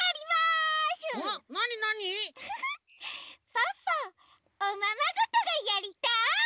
ポッポおままごとがやりたい！